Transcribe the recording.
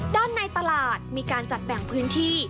ด้านในตลาดมีการจัดแบ่งพื้นที่